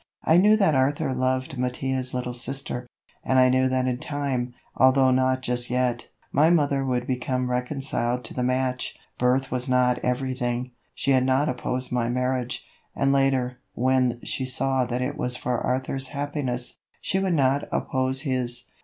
I knew that Arthur loved Mattia's little sister, and I knew that in time, although not just yet, my mother would become reconciled to the match. Birth was not everything. She had not opposed my marriage, and later, when she saw that it was for Arthur's happiness, she would not oppose his.